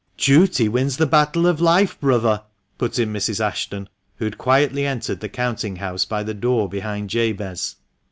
" "Duty wins the battle of life, brother," put in Mrs. Ashton, who had quietly entered the counting house by the door behind Jabez.